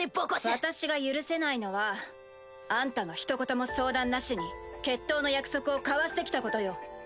私が許せないのはあんたがひと言も相談なしに決闘の約束を交わしてきたことよ。